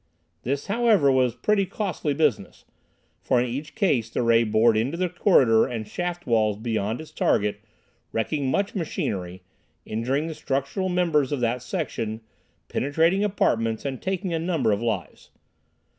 This, however, was pretty costly business, for in each case the ray bored into the corridor and shaft walls beyond its target, wrecking much machinery, injuring the structural members of that section, penetrating apartments and taking a number of lives.